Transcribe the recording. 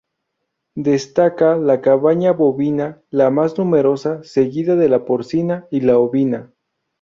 Destaca la cabaña bovina, la más numerosa, seguida de la porcina y la ovina.